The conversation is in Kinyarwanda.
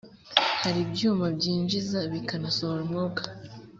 hari ibyuma byinjiza bikanasohora umwuka